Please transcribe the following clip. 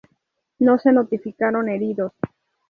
No se notificaron heridos.